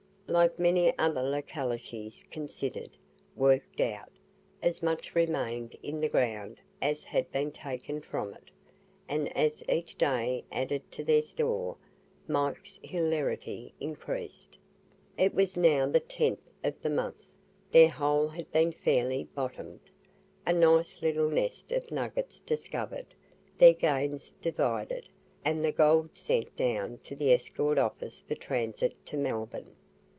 Like many other localities considered "worked out," as much remained in the ground as had been taken from it, and as each day added to their store, Mike's hilarity increased. It was now the 10th of the month; their hole had been fairly "bottomed," a nice little nest of nuggets discovered, their gains divided, and the gold sent down to the escort office for transit to Melbourne.